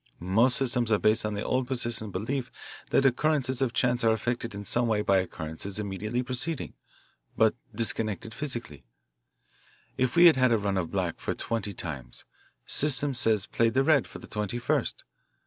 Most systems are based on the old persistent belief that occurrences of chance are affected in some way by occurrences immediately preceding, but disconnected physically. If we've had a run of black for twenty times, system says play the red for the twenty first.